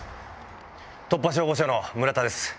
突破消防署の村田です。